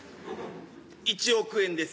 １億円です。